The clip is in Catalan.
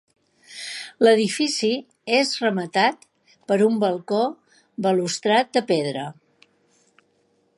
L'edifici és rematat per un balcó balustrat de pedra.